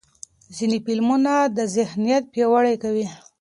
ځینې فلمونه دا ذهنیت پیاوړی کوي.